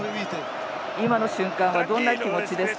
今の瞬間はどんな気持ちですか。